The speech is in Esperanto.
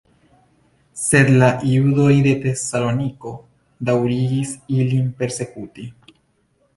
Sed la judoj de Tesaloniko daŭrigis ilin persekuti.